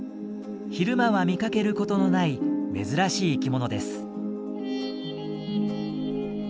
昼間は見かけることのない珍しい生きものです。